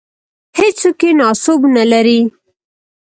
هېڅوک یې ناسوب نه لري.